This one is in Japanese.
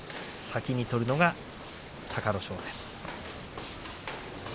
先に取るのが隆の勝です。